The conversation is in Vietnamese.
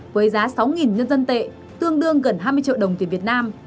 với giá sáu nhân dân tệ tương đương gần hai mươi triệu đồng tiền việt nam